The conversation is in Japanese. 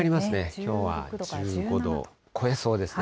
きょうは１５度を超えそうですね。